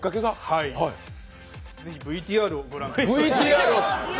ぜひＶＴＲをご覧ください。